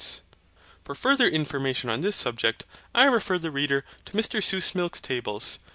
For further information on this subject, I refer the reader to Mr Suessmilch's tables.